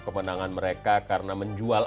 kemenangan mereka karena menjual